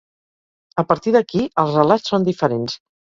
A partir d’aquí els relats són diferents.